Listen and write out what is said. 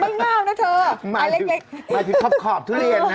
ไม่เง้านะเธอหมายถึงขอบทุเรียนนะ